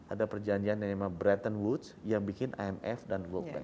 ada perjanjian yang memang bretton woods yang bikin imf dan world bank